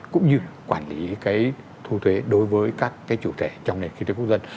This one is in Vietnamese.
cũng như quản lý thu thuế đối với các cái chủ thể trong nền kinh tế quốc dân